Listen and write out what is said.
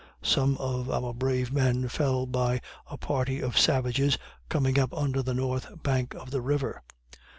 Some of our brave men fell by a party of savages coming up under the north bank of the river.